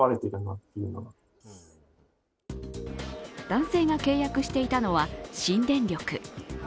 男性が契約していたのは新電力。